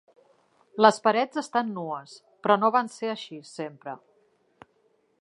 Les parets estan nues, però no van ser així sempre.